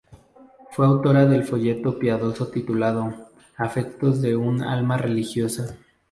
Fue autora de un folleto piadoso titulado "Afectos de un alma religiosa.